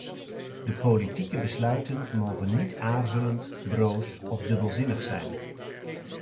De politieke besluiten mogen niet aarzelend, broos of dubbelzinnig zijn.